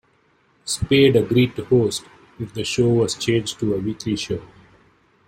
Spade agreed to host if the show was changed to a weekly show.